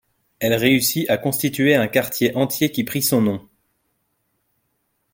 Elle réussit à constituer un quartier entier qui prit son nom.